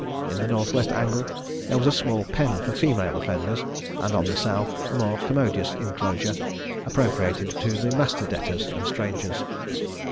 In the north west angle there was a small pen for female offenders; and on the south, a more commodious inclosure appropriated to the master debtors and strangers.